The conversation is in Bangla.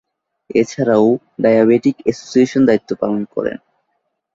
এছাড়াও, ডায়াবেটিক অ্যাসোসিয়েশনে দায়িত্ব পালন করেন।